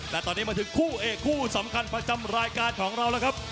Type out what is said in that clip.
และตอนนี้มาถึงคู่เอกคู่สำคัญประจำรายการของเราแล้วครับ